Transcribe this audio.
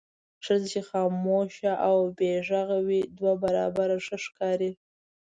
ښځه چې خاموشه او بې غږه وي دوه برابره ښه ښکاري.